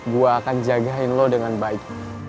gue akan jagain lo dengan baik